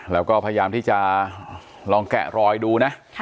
แล้วก็พยายามที่จะลองแกะรอยดูนะ